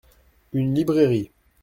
Une librairie.